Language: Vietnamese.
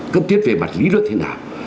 cấp thiết về mặt lý luận thế nào